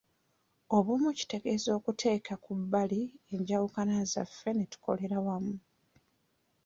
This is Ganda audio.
Obumu kitegeeza tuteeka ku bbali enjawukana zaffe ne tukolera wamu.